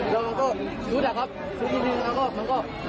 แล้วก็รู้จักครับรู้จักครับแล้วก็มันก็